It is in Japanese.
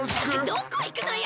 どこいくのよ！